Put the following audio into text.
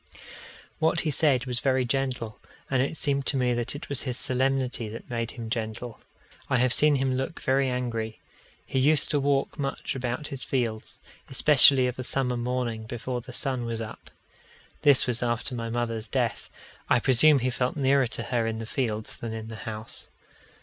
What he said was very gentle, and it seemed to me it was his solemnity that made him gentle. I have seen him look very angry. He used to walk much about his fields, especially of a summer morning before the sun was up. This was after my mother's death. I presume he felt nearer to her in the fields than in the house.